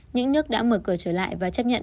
những nước đã mở cửa trở lại và chấp nhận